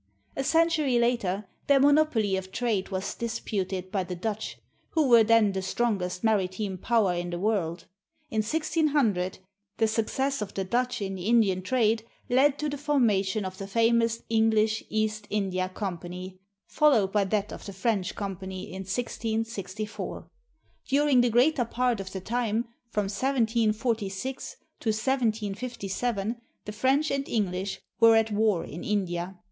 A century later, their monopoly of trade was disputed by the Dutch, who were then the strongest maritime power in the world. In 1600, the success of the Dutch in the Indian trade led to the formation of the famous English East India Com pany, followed by that of the French Company in 1664. During the greater part of the time from 1746 to 1757 the French and English were at war in India.